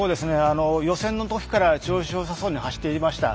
予選のときから調子良さそうに走っていました。